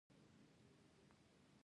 دلته هم د جاوېد صېب پۀ بې علمۍ